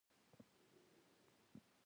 سیکهانو هم پر پوځ باندي حملې کولې.